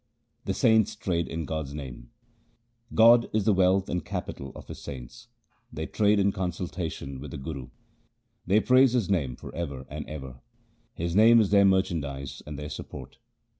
The saints trade in God's name :—• God is the wealth and capital of His saints ; they trade in consultation with the Guru. They praise His name for ever and ever ; His name is their merchandise and their support.